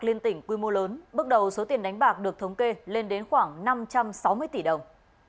liên tỉnh quy mô lớn bước đầu số tiền đánh bạc được thống kê lên đến khoảng năm trăm sáu mươi tỷ đồng